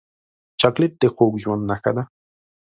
چاکلېټ د خوږ ژوند نښه ده.